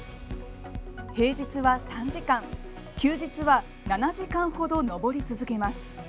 平日は３時間休日は７時間ほど登り続けます。